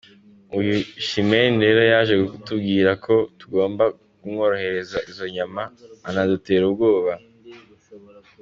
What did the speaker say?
Uyu Chimene rero yaje kutubwira ko tugomba kumwoherereza izo nyama anadutera ubwoba.